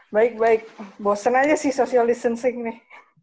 baik baik bosen aja sih social distancing nih